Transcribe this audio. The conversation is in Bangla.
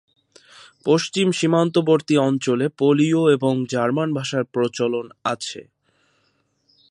পশ্চিম সীমান্তবর্তী অঞ্চলে পোলীয় এবং জার্মান ভাষার প্রচলন আছে।